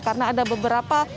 karena ada beberapa